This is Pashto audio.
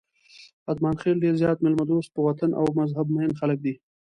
اتمانخېل ډېر زیات میلمه دوست، په وطن او مذهب مېین خلک دي.